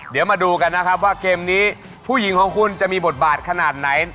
เดี๋ยวมาดูกันนะครับว่าเกมนี้ผู้หญิงของคุณจะมีบทบาทขนาดไหน